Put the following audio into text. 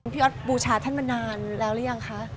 พี่ออสบูชาท่านมานานแล้วหรือยังคะ